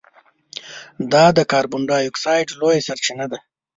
دا د کاربن ډای اکسایډ لویه سرچینه ده.